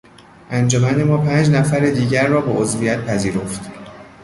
انجمن ما پنج نفر دیگر را به عضویت پذیرفت.